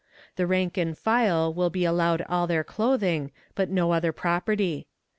The rank and file will be allowed all their clothing, but no other property.